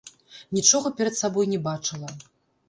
Нічога перад сабой не бачыла.